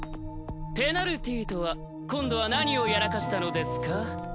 ペナルティとは今度は何をやらかしたのですか？